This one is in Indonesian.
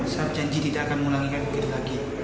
saya janji tidak akan mengulangikan begitu lagi